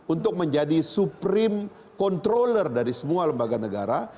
untuk menjadi supreme controller dari semua lembaga negara